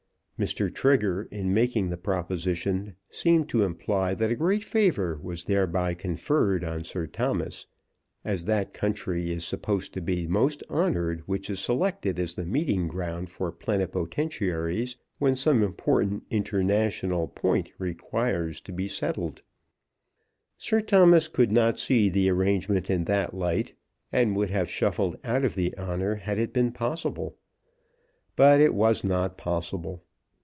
Mr. Trigger in making the proposition seemed to imply that a great favour was thereby conferred on Sir Thomas, as that country is supposed to be most honoured which is selected as the meeting ground for plenipotentiaries when some important international point requires to be settled. Sir Thomas could not see the arrangement in that light, and would have shuffled out of the honour had it been possible. But it was not possible.